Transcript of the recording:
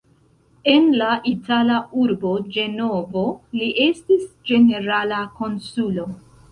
En la itala urbo Ĝenovo li estis ĝenerala konsulo.